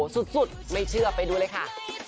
สุดไม่เชื่อไปดูเลยค่ะ